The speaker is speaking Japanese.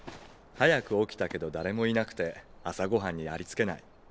早く起きたけど誰もいなくて朝ごはんにありつけない。